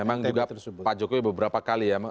memang juga pak jokowi beberapa kali ya